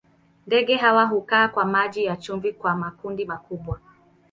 Ndege hawa hukaa kwa maji ya chumvi kwa makundi makubwa.